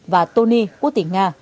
và tony quốc tịch nga